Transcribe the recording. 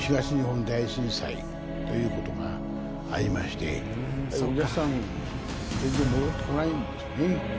東日本大震災ということがありまして、やはりお客さんが全然戻ってこないんですよね。